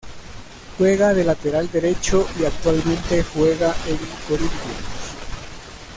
Juega de lateral derecho y actualmente juega en Corinthians.